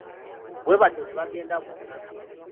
Bwe batyo ne bagenda bonna.